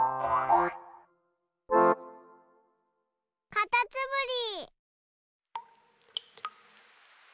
かたつむり。